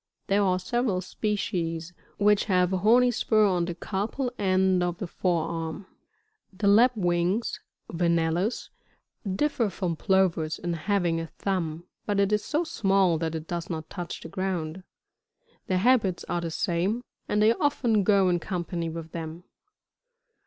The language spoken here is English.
There are several species which have a homy spur on the carpal end of the forearm. 25. The Lapwings, — Vanellus, — differ from Plovers in having a thumb, but it is so small that it does not touch the ground. Their habits are the same, and they often go in company with them.